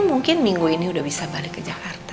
mungkin minggu ini udah bisa balik ke jakarta